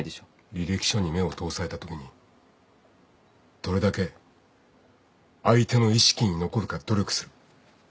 履歴書に目を通されたときにどれだけ相手の意識に残るか努力する。